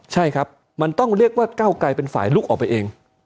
ใช่ครับมันต้องเรียกว่าเก้าไกลเป็นฝ่ายลุกออกไปเอง